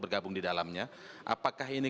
bergabung di dalamnya apakah ini